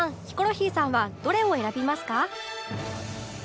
ヒコロヒーさんはどれを選びますか？